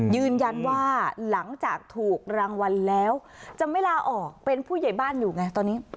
ยืนยันว่าหลังจากถูกรางวัลแล้วจะไม่ลาออกเป็นผู้ใหญ่บ้านอยู่ไงตอนนี้